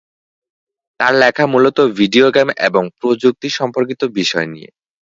তার লেখা মূলত ভিডিও গেম এবং প্রযুক্তি সম্পর্কিত বিষয় নিয়ে।